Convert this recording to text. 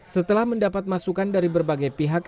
setelah mendapat masukan dari berbagai pihak